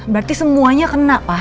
berarti semuanya kena pak